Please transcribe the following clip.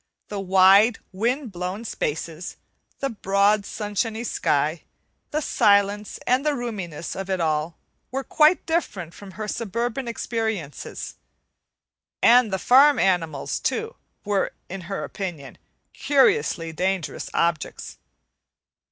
The wide, wind blown spaces, the broad, sunshiny sky, the silence and the roominess of it all, were quite different from her suburban experiences; and the farm animals, too, were in her opinion curiously dangerous objects.